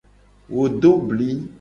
Wo do bli.